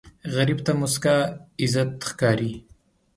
غریب ته موسکا عزت ښکاري